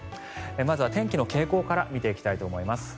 まずは天気の傾向から見ていきたいと思います。